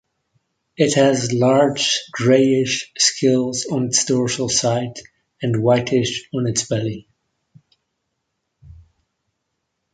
It has large, greyish scales on its dorsal side and whitish on its belly.